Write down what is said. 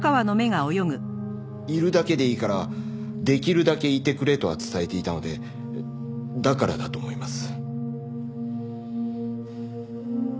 「いるだけでいいからできるだけいてくれ」とは伝えていたのでだからだと思います。